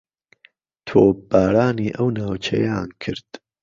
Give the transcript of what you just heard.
تۆپبارانی ئەو ناوچەیان کرد